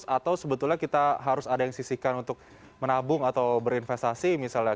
atau sebetulnya kita harus ada yang sisikan untuk menabung atau berinvestasi misalnya